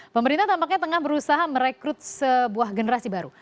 pemerintah tampaknya tengah berusaha merekrut sebuah generasi baru